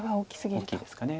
大きいですかね。